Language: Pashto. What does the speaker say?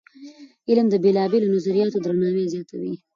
علم د بېلابېلو نظریاتو درناوی زیاتوي.